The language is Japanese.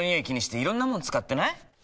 気にしていろんなもの使ってない？